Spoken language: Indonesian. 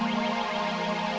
terima kasih ma